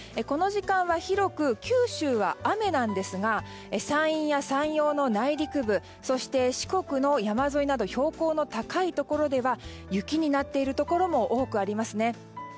この時間は広く九州は雨なんですが山陰や山陽の内陸部そして、四国の山沿いなど標高の高いところでは雪になっているところも多くありますね。